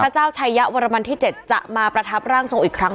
เจ้าชายะวรมันที่๗จะมาประทับร่างทรงอีกครั้ง